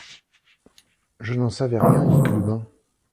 Je n’en savais rien, dit Clubin.